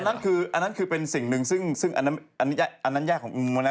อันนั้นคือเป็นสิ่งหนึ่งซึ่งอันนั้นแยกของอุณหมานะ